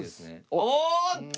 おっと！